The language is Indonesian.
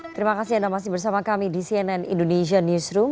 terima kasih anda masih bersama kami di cnn indonesia newsroom